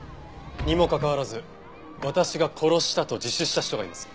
にもかかわらず「私が殺した」と自首した人がいます。